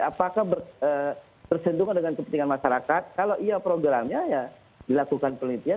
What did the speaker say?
apakah bersentuhan dengan kepentingan masyarakat kalau iya programnya ya dilakukan penelitian